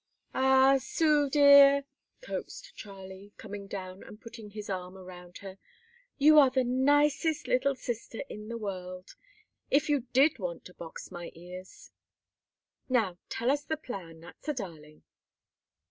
"Ah, Sue dear," coaxed Charlie, coming down and putting his arm around her, "you are the nicest little sister in the world, if you did want to box my ears. Now tell us the plan, that's a darling."